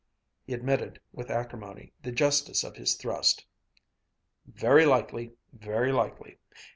He admitted, with acrimony, the justice of this thrust. "Very likely. Very likely!